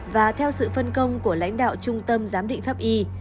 và theo sự phân công của lãnh đạo trung tâm giám định pháp y